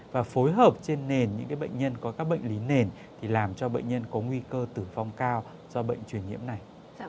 và phối hợp trên nền những bệnh nhân có các bệnh lý nền thì làm cho bệnh nhân có nguy cơ tử vong cao do bệnh truyền nhiễm này